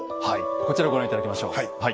こちらご覧頂きましょう。